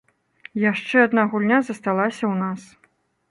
Яшчэ адна гульня засталася ў нас.